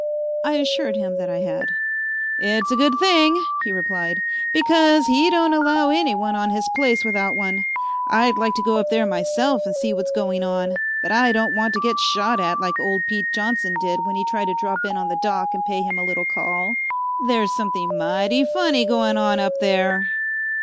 I assured him that I had. "It's a good thing," he replied, "because he don't allow anyone on his place without one. I'd like to go up there myself and see what's going on, but I don't want to get shot at like old Pete Johnson did when he tried to drop in on the Doc and pay him a little call. There's something mighty funny going on up there."